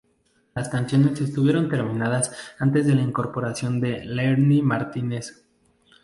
Las canciones estuvieron terminadas antes de la incorporación de Leire Martínez.